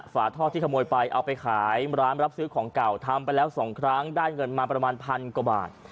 ฝาท่อที่ขโมยไปเอาไปขายร้านรับซื้อของเก่าทำไปแล้ว๒ครั้งได้เงินมาประมาณพันกว่าบาท